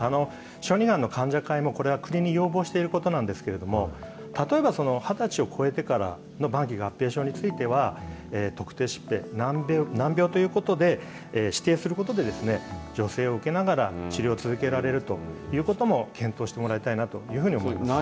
小児がんの患者会も、これは国に要望していることなんですけれども、例えば２０歳を超えてからの晩期合併症については、特定疾病、難病ということで、指定することで、助成を受けながら治療を続けられるということも、検討してもらいたいなというふうに思います。